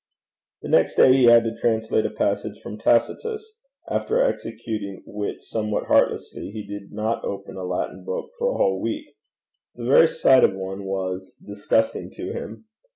The next day he had to translate a passage from Tacitus; after executing which somewhat heartlessly, he did not open a Latin book for a whole week. The very sight of one was disgusting to him.